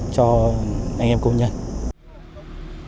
cho anh em công ty bảo hộ lao động